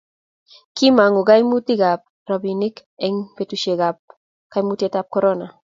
kimong'u kaimutikab robinik eng' betusiekab kaimutietab korona